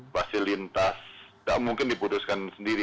pasti lintas tidak mungkin diputuskan sendiri